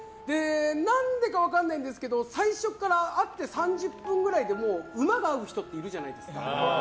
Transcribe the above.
なんでか分かんないんですけど会って３０分くらいでもう馬が合う人っているじゃないですか。